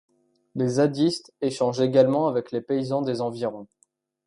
Les zadistes échangent également avec les paysans des environs.